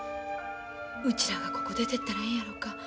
うちらがここ出てったらええんやろか。